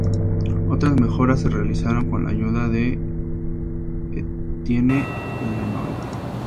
Otras mejoras se realizaron con la ayuda de Etienne Lenoir.